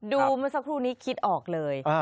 เมื่อสักครู่นี้คิดออกเลย